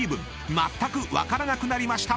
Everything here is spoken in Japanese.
［まったく分からなくなりました！］